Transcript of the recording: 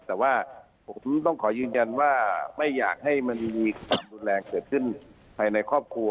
แต่ว่าผมต้องขอยืนยันว่าไม่อยากให้มันมีความรุนแรงเกิดขึ้นภายในครอบครัว